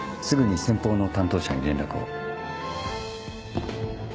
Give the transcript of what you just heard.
すぐに先方の担当者に連絡を。